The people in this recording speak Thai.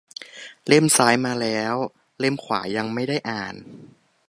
เล่มซ้ายมาแล้ว เล่มขวายังไม่ได้อ่าน